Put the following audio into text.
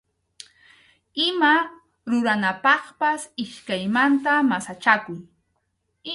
Ima ruranapaqpas iskaymanta masachakuy.